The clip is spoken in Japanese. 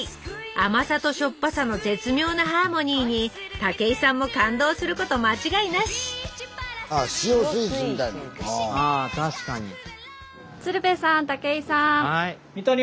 甘さとしょっぱさの絶妙なハーモニーに武井さんも感動すること間違いなしああ塩スイーツみたいなの？